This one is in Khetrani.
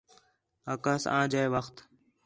آکھاس آں جئے وخت